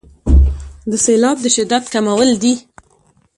د سیلاب د شدت کمول دي.